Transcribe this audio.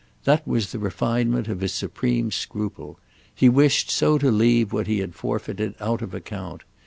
That was the refinement of his supreme scruple—he wished so to leave what he had forfeited out of account.